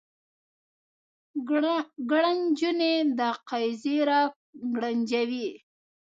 ګړنجونې د قیزې را ګړنجوي